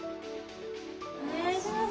お願いします。